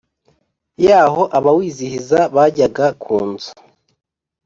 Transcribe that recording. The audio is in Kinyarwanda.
Yaho abawizihiza bajyaga ku nzu